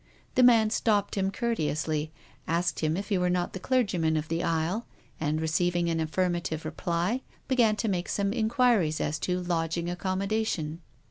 The man stopped him courteously, asked if he were not the clergyman of the Isle, and, receiving an affirmative reply, began to make some inquiries as to lodging accommodation.